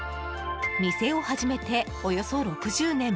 店を始めておよそ６０年。